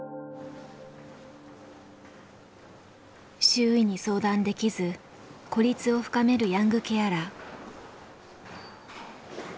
周囲に相談できず孤立を深めるヤングケアラー。